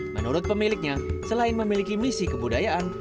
menurut pemiliknya selain memiliki misi kebudayaan